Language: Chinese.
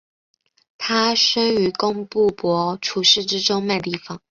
他生于工布博楚寺之中麦地方。